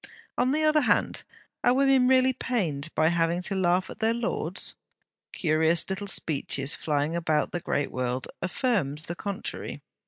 On the other hand, are women really pained by having to laugh at their lords? Curious little speeches flying about the great world, affirmed the contrary.